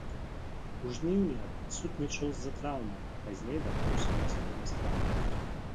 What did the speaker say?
У жніўні адсутнічаў з-за траўмы, пазней вярнуўся ў асноўны склад.